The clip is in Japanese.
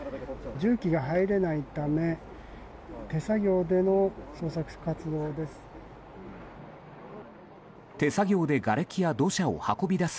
重機が入れないため手作業での捜索活動です。